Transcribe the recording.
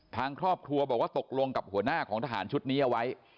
ทางครอบครัวบอกว่าตกลงกับหัวหน้าของทหารชุดนี้เอาไว้